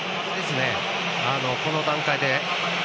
この段階で。